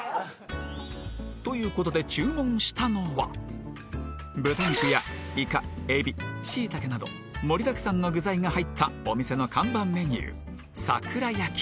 という事で注文したのは豚肉やイカエビシイタケなど盛りだくさんの具材が入ったお店の看板メニューさくら焼き